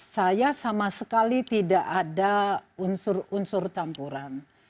saya sama sekali tidak ada unsur unsur campuran